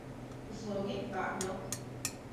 The slogan Got Milk?